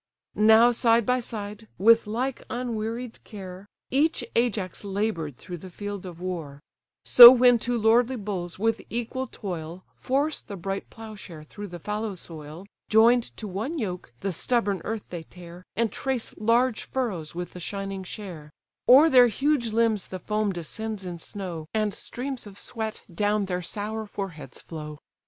Now side by side, with like unwearied care, Each Ajax laboured through the field of war: So when two lordly bulls, with equal toil, Force the bright ploughshare through the fallow soil, Join'd to one yoke, the stubborn earth they tear, And trace large furrows with the shining share; O'er their huge limbs the foam descends in snow, And streams of sweat down their sour foreheads flow.